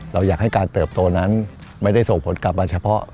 เราอยากให้การเติบโตนั้นไม่ได้ส่งผลกลับมาเฉพาะ